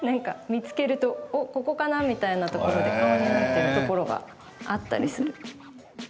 見つけると、おっ、ここかなみたいなところで顔になってるところがあったりする。